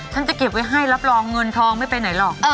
จะเก็บไว้ให้รับรองเงินทองไม่ไปไหนหรอก